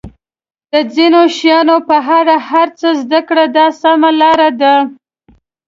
د ځینو شیانو په اړه هر څه زده کړئ دا سمه لار ده.